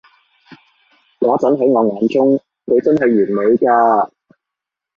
嗰陣喺我眼中，佢真係完美㗎